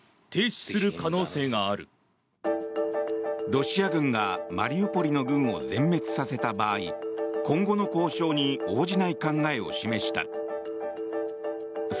ロシア軍がマリウポリの軍を全滅させた場合今後の交渉に応じない考えを示した。